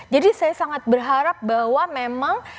jadi saya sangat berharap bahwa memang